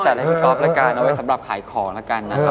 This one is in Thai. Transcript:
จัดให้ก๊อฟละการนะเว้ยสำหรับขายของละกันนะครับ